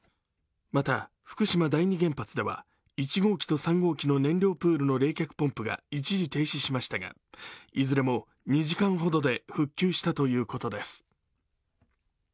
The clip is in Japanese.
また、福島第二原発では１号機と３号機の燃料プールの冷却ポンプが一時停止しましたが、いずれも２時間ほどで復旧したということです。